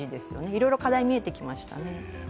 いろいろ課題、みえてきましたね。